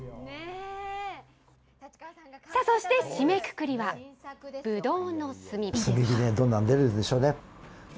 そして締めくくりは、ぶどうの炭。